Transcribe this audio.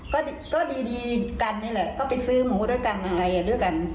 ก็ดีกันนี่แหละก็ไปซื้อหมูด้วยกันอะไรด้วยกัน